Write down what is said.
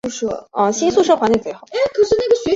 拉东人口变化图示